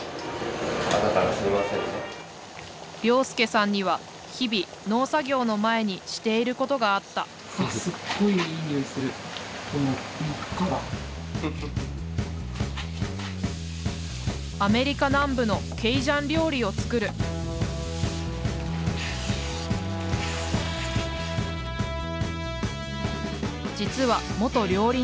良介さんには日々農作業の前にしていることがあったアメリカ南部のケイジャン料理を作る実は元料理人。